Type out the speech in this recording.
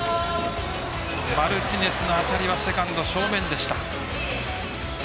マルティネスの当たりはセカンド正面でした。